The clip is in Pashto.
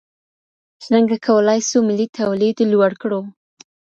څرنګه کولای سو ملي توليد لوړ کړو؟